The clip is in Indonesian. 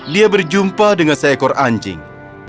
lia berjumpa dengan seekor anjing